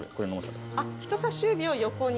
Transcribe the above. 人さし指を横に。